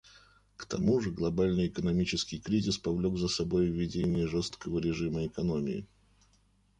К тому же, глобальный экономический кризис повлек за собой введение жесткого режима экономии.